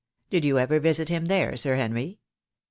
Did you ever visit him there. Sir Henry?